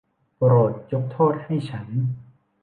โปรดยกโทษให้ฉัน.